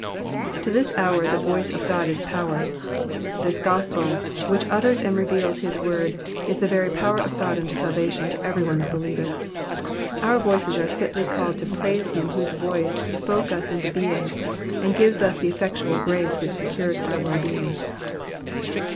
To this hour, the voice of God is power. This gospel, which utters and reveals his word, is the power of God unto salvation to every one that believeth. Our voices are fitly called to praise him whose voice spoke us into being, and gives us the effectual grace which secures our well being.